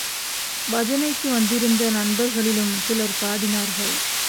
பஜனைக்கு வந்திருந்த நண்பர்களிலும் சிலர் பாடினார்கள்.